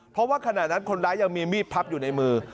เพราะว่าขณะนั้นคนร้ายยังมีมีดพับอยู่ในมือ